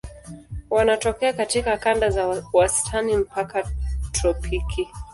Wanatokea katika kanda za wastani mpaka tropiki.